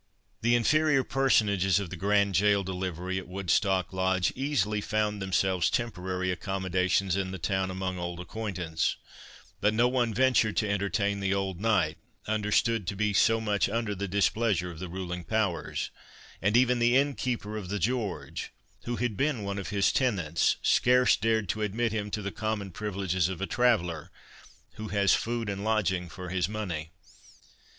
The inferior personages of the grand jail delivery at Woodstock Lodge, easily found themselves temporary accommodations in the town among old acquaintance; but no one ventured to entertain the old knight, understood to be so much under the displeasure of the ruling powers; and even the innkeeper of the George, who had been one of his tenants, scarce dared to admit him to the common privileges of a traveller, who has food and lodging for his money.